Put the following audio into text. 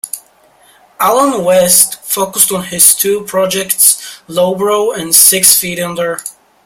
Allen West focused on his two projects, Lowbrow and Six Feet Under.